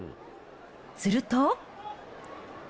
すると。